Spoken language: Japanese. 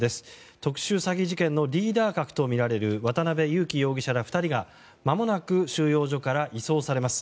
特殊詐欺事件のリーダー格とみられる渡邉優樹容疑者ら２人がまもなく収容所から移送されます。